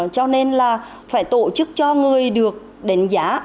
cho nên là phải tổ chức cho người được đánh giá